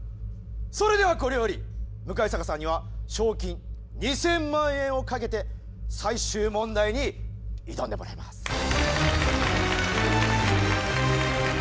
それではこれより向坂さんには賞金２，０００万円を懸けて最終問題に挑んでもらいます。